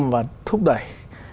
và thúc đẩy